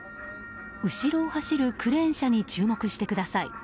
後ろを走るクレーン車に注目してください。